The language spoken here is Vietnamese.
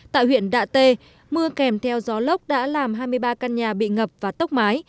tại huyện đạ tê mưa kèm theo gió lốc đã làm hai mươi ba căn nhà bị ngập và tốc mái